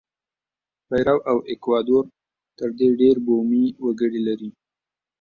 پیرو او ایکوادور تر دې ډېر بومي وګړي لري.